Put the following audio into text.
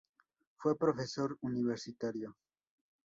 Fue profesor universitario.